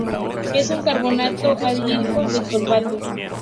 Es un carbonato anhidro de cobalto.